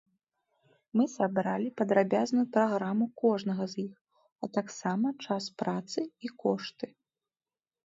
Мы сабралі падрабязную праграму кожнага з іх, а таксама час працы і кошты.